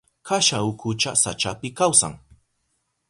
Kasha ukucha sachapi kawsan.